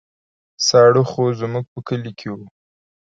ساړه خو زموږ په کلي کې وو.